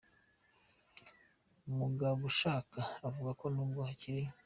Mugabushaka avuga ko nubwo hakiri.